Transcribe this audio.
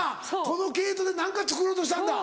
この毛糸で何か作ろうとしたんだ？